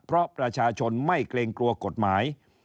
เพราะประชาชนไม่เกรงกลัวกฎหมาย